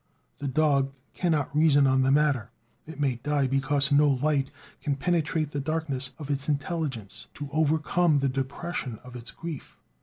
The dog cannot reason on the matter; it may die because no light can penetrate the darkness of its intelligence to overcome the depression of its grief.